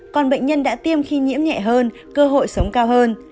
còn bệnh nhân đã tiêm khi nhiễm nhẹ hơn cơ hội sống cao hơn